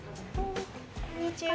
こんにちは。